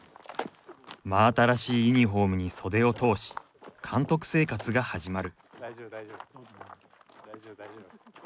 真新しいユニホームに袖を通し監督生活が始まる。